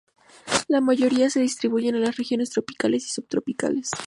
La mayoría se distribuyen en las regiones tropicales y subtropicales.